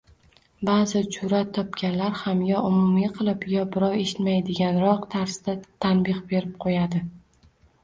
Baʼzi jurʼat topganlar ham yo umumiy qilib, yo birov eshitmaydiganroq tarzda tanbeh berib qoʻyadi